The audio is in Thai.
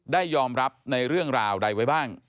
ได้ยอมรับในเรื่องราวใดไว้บ้าง